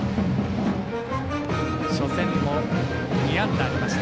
初戦も２安打ありました。